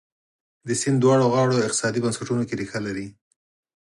د سیند دواړو غاړو اقتصادي بنسټونو کې ریښه لري.